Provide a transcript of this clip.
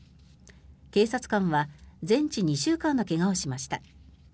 警察官は全治２週間の怪我をしました。